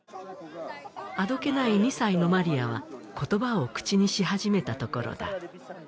あどけない２歳のマリアは言葉を口にし始めたところだ